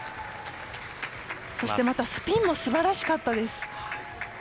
そしてまたスピンも素晴らしかったです。